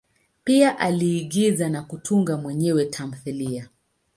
Pia aliigiza na kutunga mwenyewe tamthilia.